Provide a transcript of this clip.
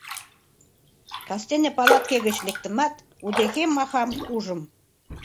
Кастене палатке гыч лектымат, удэхей Махам ужым.